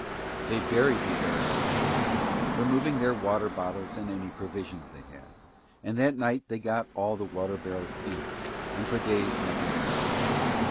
They buried the Arabs that day, removing their water bottles and any provisions they had, and that night they got all the water barrels in, and for days nothing happened.